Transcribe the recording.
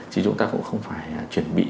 chứ chúng ta cũng không phải chuẩn bị